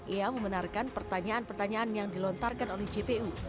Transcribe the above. ia membenarkan pertanyaan pertanyaan yang dilontarkan oleh jpu